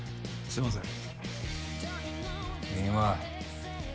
すみません。